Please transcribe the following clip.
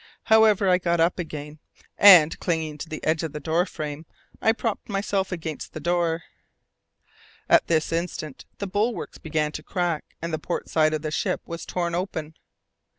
However, I got up again, and, clinging on to the edge of the door frame, I propped myself against the door. At this instant the bulwarks began to crack and the port side of the ship was torn open.